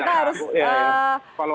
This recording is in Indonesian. bapak bapak kita harus